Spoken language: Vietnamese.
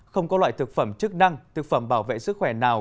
không có loại thực phẩm chức năng thực phẩm bảo vệ sức khỏe nào